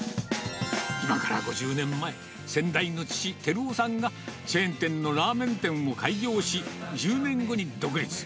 今から５０年前、先代の父、輝男さんがチェーン店のラーメン店を開業し、１０年後に独立。